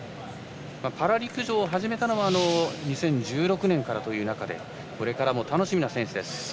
パラ陸上を始めたのは２０１６年という中でこれからも楽しみな選手です。